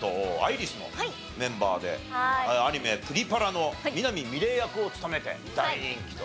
Ｒｉｓのメンバーでアニメ『プリパラ』の南みれぃ役を務めて大人気と。